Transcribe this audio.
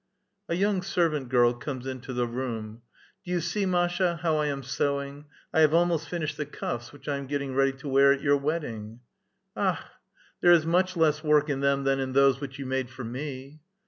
A young servant girl comes into the room. *' Do you see, Masha, how I am sewing? I have almost finished the cuffs which I am getting ready to wear at your wedding." '' AkJi I there is much less work in them than in those which you made for me."